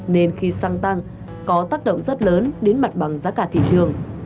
nên khi xăng tăng có tác động rất lớn đến mặt bằng giá cả thị trường